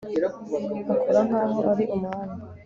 akora nkaho ari umwami